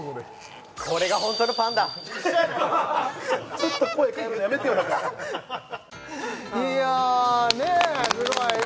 ちょっと声変えるのやめてよいやね